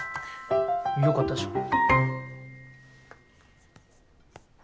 よかったじゃん。